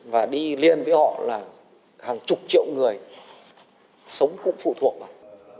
và đi liên với họ là hàng chục triệu người sống cũng phụ thuộc vào